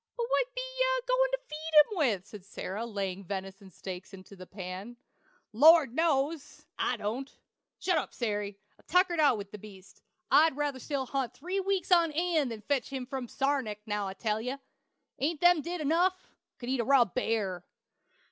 "But what be ye a goin' to feed him with?" said Sary, laying venison steaks into the pan. "Lord knows! I don't. Shut up, Sary! I'm tuckered out with the beast. I'd ruther still hunt three weeks on eend than fetch him in from Sar'nac, now I tell ye. Ain't them did enough? I could eat a raw bear."